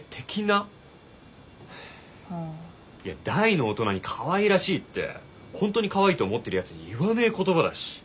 大の大人にかわいらしいって本当にかわいいと思ってるやつに言わねえ言葉だし。